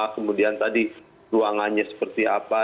kemudian tadi ruangannya seperti apa